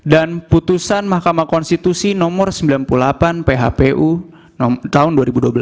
dan putusan mahkamah konstitusi nomor sembilan puluh delapan php tahun dua ribu dua belas